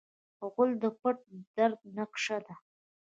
غول د پټ درد نقشه ده.